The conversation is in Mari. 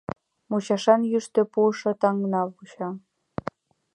Мучашан ӱштӧ пуышо таҥна вуча.